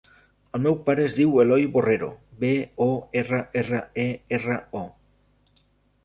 El meu pare es diu Eloy Borrero: be, o, erra, erra, e, erra, o.